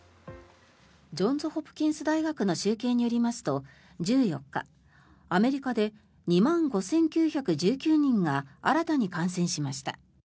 ジョンズ・ホプキンス大学の集計によりますと１４日、アメリカで２万５９１９人が新たに感染しました。